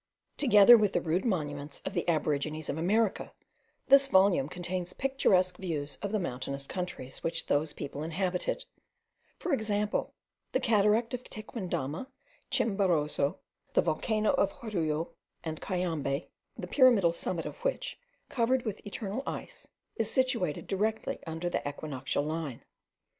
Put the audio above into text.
Together with the rude monuments of the aborigines of America, this volume contains picturesque views of the mountainous countries which those people inhabited; for example, the cataract of Tequendama, Chimborazo, the volcano of Jorullo and Cayambe, the pyramidal summit of which, covered with eternal ice, is situated directly under the equinoctial line.